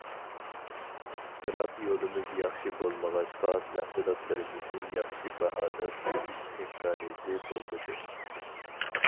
بىراق يولىمىز ياخشى بولمىغاچقا، مەھسۇلاتلىرىمىزنى ياخشى باھادا سېتىش ئىمكانىيىتى بولمىدى.